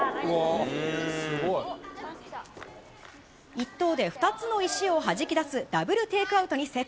一投で２つの石をはじき出すダブルテイクアウトに成功。